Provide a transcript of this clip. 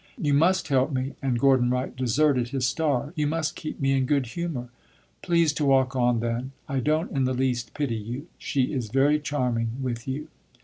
"You must help me;" and Gordon Wright deserted his star. "You must keep me in good humor." "Please to walk on, then. I don't in the least pity you; she is very charming with you."